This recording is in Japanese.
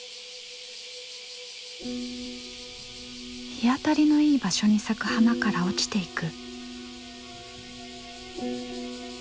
日当たりのいい場所に咲く花から落ちていく。